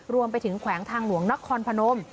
รวมไปถึงแขวงทางหลวงนครพนม